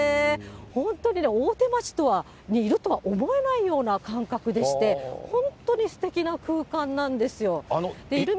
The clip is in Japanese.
本当に大手町にいるとは思えないような感覚でして、本当にすてきな空間なんですよ。